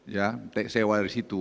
ya sewa dari situ